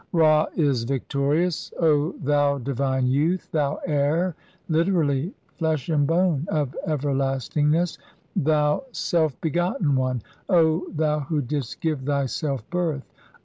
Ra "is victorious ! O thou divine youth, thou heir (liter "ally, flesh and bone) of everlastingness, thou self g XCVIII INTRODUCTION. "begotten one, thou who didst give thyself birth!